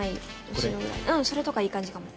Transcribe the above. ・これぐらい・うんそれとかいい感じかも。